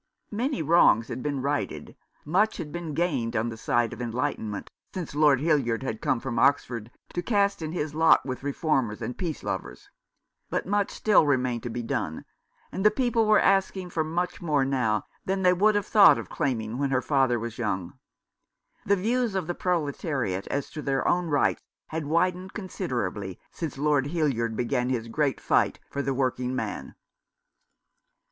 Many wrongs had been righted, much had been gained on the side of enlightenment since Lord Hildyard had come from Oxford to cast in his lot with Reformers and Peace lovers, but much still remained to be done ; and the people were asking for much more now than they would have thought of claiming when her father was young. The views of the Proletariat as to their own rights had widened considerably since Lord Hildyard began his great fight for the working man.